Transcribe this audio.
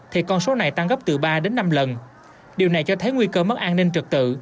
thì con số này tăng gấp từ ba đến năm lần điều này cho thấy nguy cơ mất an ninh trực tự